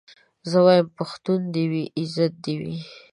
زه وايم پښتو دي وي عزت دي وي